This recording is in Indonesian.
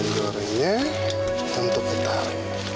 gorengnya untuk betari